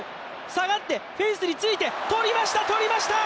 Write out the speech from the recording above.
下がって、フェンスについてとりました、とりました！